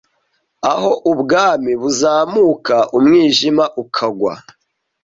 aho Ubwami buzamuka umwijima ukagwa